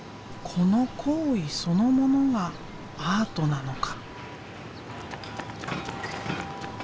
この行為そのものがアートなのか？